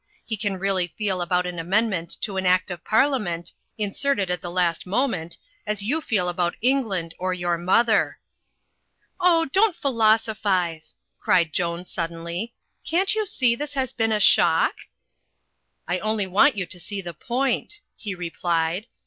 He can really feel about an amendment to an Act of Parliament, inserted at the last moment, as you feel about England or your mother." "Oh, don't philosophise," cried Joan suddenly. "Can't you see this has been a shock?" ^^^^^^ "I only want you to see the point," he replied.